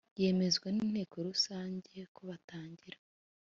yemezwa n inteko rusange kobatangira